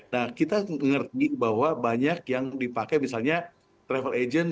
nah kita mengerti bahwa banyak yang dipakai misalnya travel agent